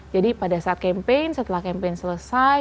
jadi pada saat campaign setelah campaign selesai